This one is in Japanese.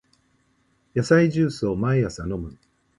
野菜ジュースを毎朝飲む